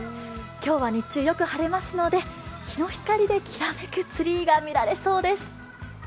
今日は日中よく晴れますので日の光できらめくツリーが見られそうです。